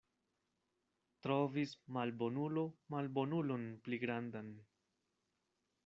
Trovis malbonulo malbonulon pli grandan.